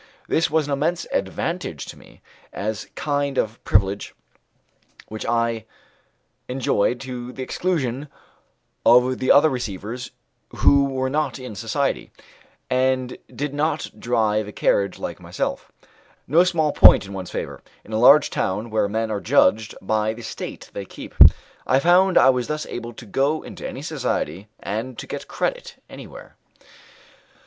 This was an immense advantage to me, as kind of privilege which I enjoyed to the exclusion of the other receivers who were not in society, and did not drive a carriage like myself no small point in one's favour, in a large town where men are judged by the state they keep. I found I was thus able to go into any society, and to get credit everywhere.